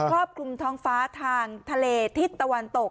รอบคลุมท้องฟ้าทางทะเลทิศตะวันตก